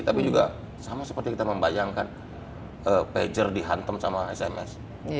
tapi juga sama seperti kita membayangkan pager dihantam sama sms